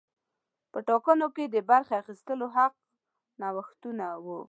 په ټاکنو کې د برخې اخیستو حق نوښتونه وو.